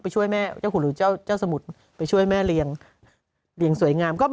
เจ้าแหงหลีงสวยงาม